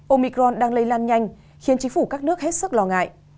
omicron đang lây lan nhanh khiến chính phủ các nước hết sức lo ngại